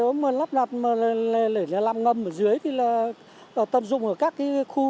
nếu mà lắp đặt lấy làm ngâm ở dưới thì là tận dụng ở các cái khu